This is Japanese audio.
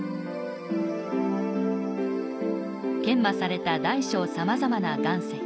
研磨された大小さまざまな岩石。